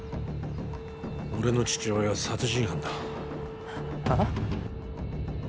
俺の父親は殺人犯だああ？